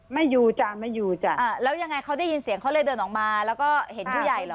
ไม่อยู่จ้ะไม่อยู่จ้ะอ่าแล้วยังไงเขาได้ยินเสียงเขาเลยเดินออกมาแล้วก็เห็นผู้ใหญ่เหรอ